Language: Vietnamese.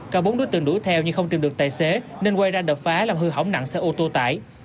cả bốn đối tượng đuổi theo nhưng không tìm được tài xế nên quay ra đập phá làm hư hỏng nặng xe ô tô tải